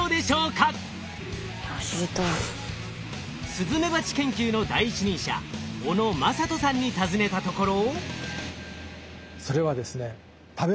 スズメバチ研究の第一人者小野正人さんに尋ねたところ。